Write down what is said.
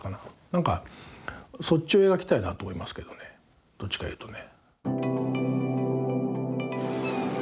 何かそっちを描きたいなと思いますけどねどっちか言うとね。